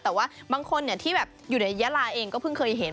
แต่ว่าบางคนที่อยู่ในยาลาเองก็เพิ่งเคยเห็น